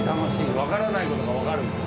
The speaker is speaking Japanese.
わからないことがわかるし。